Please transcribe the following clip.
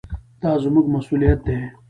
دا زموږ مسوولیت دی.